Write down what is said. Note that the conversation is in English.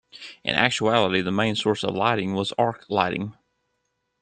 In actuality, the main source of lighting was arc lighting.